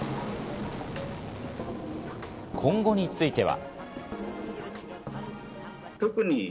今後については。